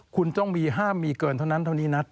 คุณต้องมีห้ามมีเกินเท่านั้นเท่านี้นัด